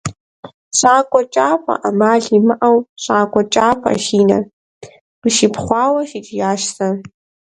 ЩӀакӀуэ кӀапэ! Ӏэмал имыӀэу, щӀакӀуэ кӀапэ! – си нэр къыщипхъуауэ сыкӀиящ сэ.